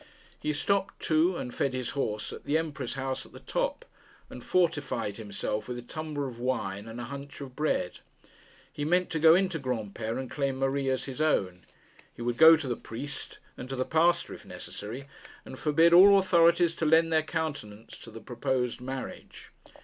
He stopped, too, and fed his horse at the Emperor's house at the top, and fortified himself with a tumbler of wine and a hunch of bread. He meant to go into Granpere and claim Marie as his own. He would go to the priest, and to the pastor if necessary, and forbid all authorities to lend their countenance to the proposed marriage.